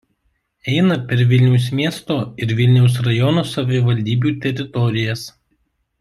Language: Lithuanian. Eina per Vilniaus miesto ir Vilniaus rajono savivaldybių teritorijas.